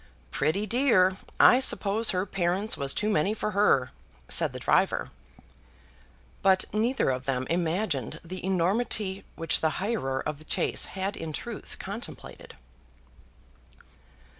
"Pretty dear! I suppose her parints was too many for her," said the driver. But neither of them imagined the enormity which the hirer of the chaise had in truth contemplated.